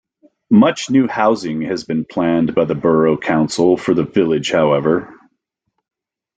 Much new housing has been planned by the borough council for the village however.